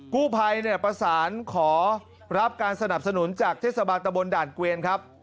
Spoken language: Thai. กู้ภัยเนี่ยประสานขอรับการสนับสนุนจากเทศบาลตะบนด่านเกวียนครับ